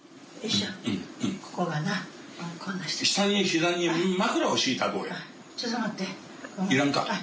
いらんか？